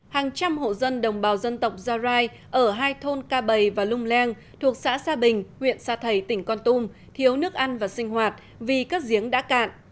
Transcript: hàng trăm hộ dân đồng bào dân tộc gia rai ở hai thôn ca bày và lung leng thuộc xã sa bình huyện sa thầy tỉnh con tum thiếu nước ăn và sinh hoạt vì các giếng đã cạn